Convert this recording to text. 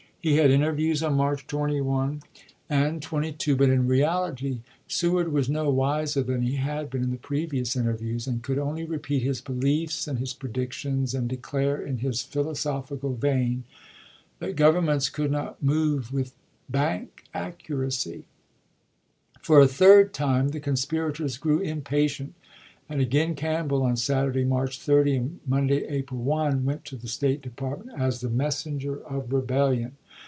He had interviews on March 21 and uo. 410 ABRAHAM LINCOLN en. xxiv. 22. But in reality Seward was no wiser than he had been in the previous interviews, and could The com only repeat his beliefs and his predictions, and de ™ TooEfba, clare, in his philosophical vein, that " governments arks. * could not move with bank accuracy." tS seward, For a third time the conspirators grew impatient, i86i. ' and again Campbell, on Saturday, March 30, and 'Record'"11 Monday, April 1, went to the State Department as Vomente, oc tne messenger of rebellion.